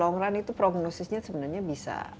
long run itu prognosisnya sebenarnya bisa